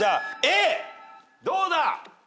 どうだ？